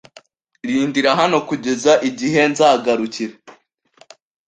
Rindira hano kugeza igihe nzagarukira.